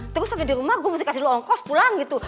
terus sampai di rumah gue mesti kasih dulu ongkos pulang gitu